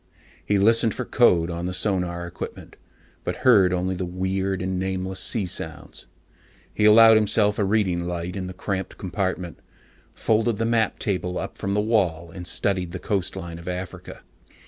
He listened for code on the sonar equipment, but heard only the weird and nameless sea sounds. He allowed himself a reading light in the cramped compartment, folded the map table up from the wall, and studied the coastline of Africa.